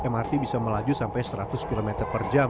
mrt bisa melaju sampai seratus km per jam